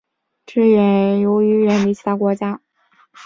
这是由于这里远离其他国家。